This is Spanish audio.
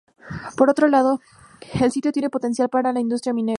Por otro lado, el sitio tiene potencial para la industria minera